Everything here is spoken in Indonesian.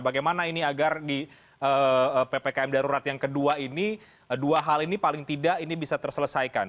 bagaimana ini agar di ppkm darurat yang kedua ini dua hal ini paling tidak ini bisa terselesaikan